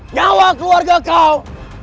nyawa keluarga kau